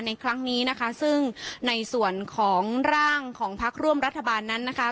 ในครั้งนี้นะคะซึ่งในส่วนของร่างของพักร่วมรัฐบาลนั้นนะคะ